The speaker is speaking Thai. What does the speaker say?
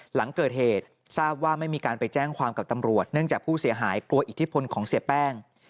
หลังเกิดเหตุทราบว่าไม่มีการไปแจ้งความกับตำรวจเนื่องจากผู้เสียหายกลัวอิทธิพลของเสียแป้ง